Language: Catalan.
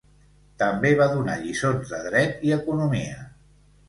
També va donar lliçons de Dret i Economia.